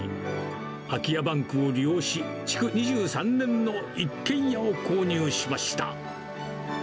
空き家バンクを利用し、築２３年の一軒家を購入しました。